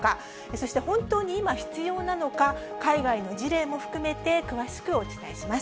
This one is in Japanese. そして本当に今必要なのか、海外の事例も含めて詳しくお伝えします。